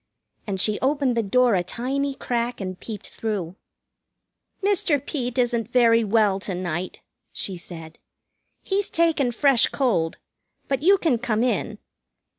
And she opened the door a tiny crack and peeped through. "Mr. Peet isn't very well to night," she said. "He's taken fresh cold. But you can come in."